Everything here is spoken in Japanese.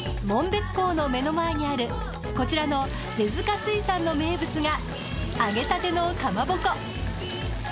紋別港の目の前にあるこちらの出塚水産の名物が揚げたてのかまぼこ。